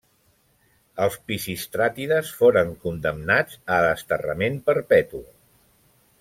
Els Pisistràtides foren condemnat a desterrament perpetu.